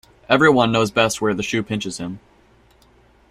Every one knows best where the shoe pinches him.